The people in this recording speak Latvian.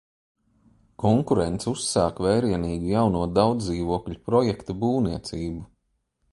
Konkurents uzsāk vērienīgu jauno daudzdzīvokļu projektu būvniecību.